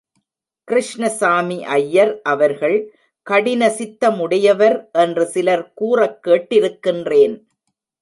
கிருஷ்ணசாமி ஐயர் அவர்கள் கடின சித்தமுடையவர் என்று சிலர் கூறக் கேட்டிருக்கின்றேன்.